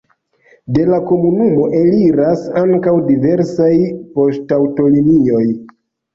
De la komunumo eliras ankaŭ diversaj poŝtaŭtolinioj.